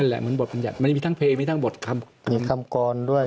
แหละเหมือนบทบัญญัติมันมีทั้งเพลงมีทั้งบทมีคำกรด้วย